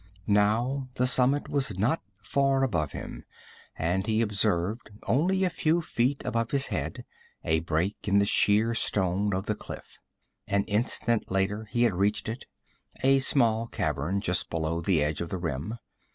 Now the summit was not far above him, and he observed, only a few feet above his head, a break in the sheer stone of the cliff. An instant later he had reached it a small cavern, just below the edge of the rim.